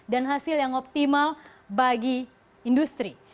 dan hasil yang optimal bagi industri